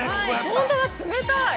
◆本当だ、冷たい。